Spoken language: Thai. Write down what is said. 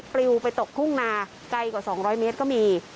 ลิวไปตกทุ่งนาไกลกว่า๒๐๐เมตรก็มี